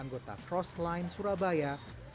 nggak bisa dijual ya